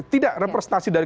tidak representasi dari